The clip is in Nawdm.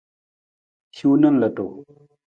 Hiwung na lutu.